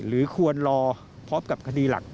หรือควรรอพร้อมกับคดีหลัก